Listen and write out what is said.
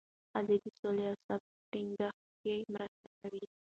ښځې د سولې او ثبات په ټینګښت کې مرسته کوي.